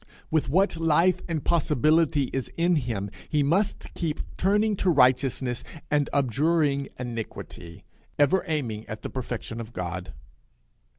With what life and possibility is in him, he must keep turning to righteousness and abjuring iniquity, ever aiming at the perfection of God.